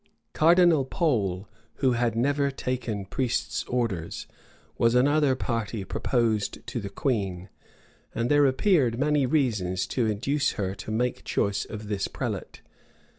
[v] Cardinal Pole, who had never taken priest's orders, was another party proposed to the queen; and there appeared many reasons to induce her to make choice of this prelate.